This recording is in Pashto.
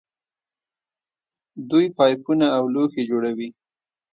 دوی پایپونه او لوښي جوړوي.